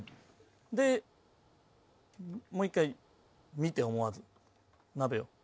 でもう１回見て思わず鍋を。